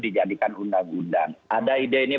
dijadikan undang undang ada ide ini